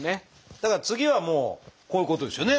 だから次はもうこういうことですよね。